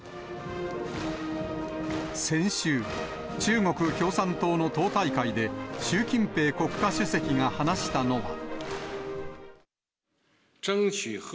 先週、中国共産党の党大会で、習近平国家主席が話したのは。